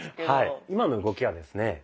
今の動きはですね